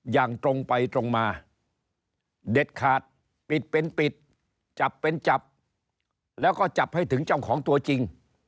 อย่างตรงไปตรงมาเด็ดขาดปิดเป็นปิดจับเป็นจับแล้วก็จับให้ถึงเจ้าของตัวจริง